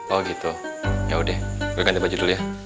oh gitu ya udah gue ganti baju dulu ya